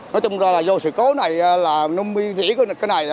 nói chung là do sự cố này là nó mới rỉ cái này